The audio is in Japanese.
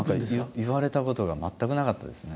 言われたことが全くなかったですね。